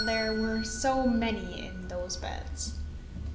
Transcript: there were so many in those beds!